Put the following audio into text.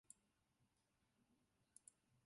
勒布莱蒂耶尔里。